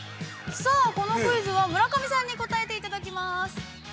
◆さあ、このクイズは、村上さんに答えていただきます。